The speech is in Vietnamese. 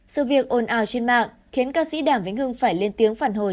sự việc ồn ào trên mạng khiến ca sĩ đàm vĩnh hưng phải lên tiếng phản hồi